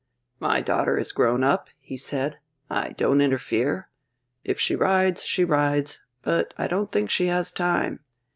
"My daughter is grown up," he said. "I don't interfere. If she rides, she rides. But I don't think she has time.